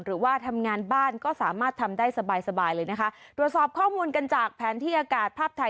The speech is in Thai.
หรือว่าทำงานบ้านก็สามารถทำได้สบายสบายเลยนะคะตรวจสอบข้อมูลกันจากแผนที่อากาศภาพไทย